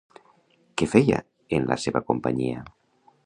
Què feia en la seva companyia?